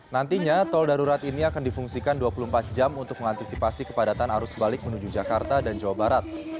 nantinya tol darurat ini akan difungsikan dua puluh empat jam untuk mengantisipasi kepadatan arus balik menuju jakarta dan jawa barat